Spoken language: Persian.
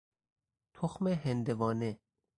تخم هندوانه